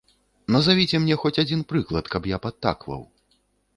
Назавіце мне хоць адзін прыклад, каб я падтакваў.